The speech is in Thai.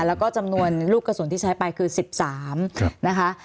แล้วก็จำนวนลูกกระสุนที่ใช้ไปคือ๑๓นะคะ